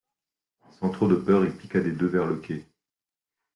Sans trop de peur, il piqua des deux vers le quai.